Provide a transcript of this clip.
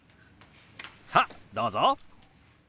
さあどうぞ！